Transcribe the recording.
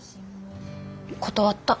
断った。